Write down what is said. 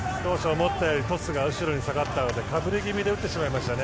思ったよりトスが後ろに下がったのでかぶり気味で打ってしまいましたね。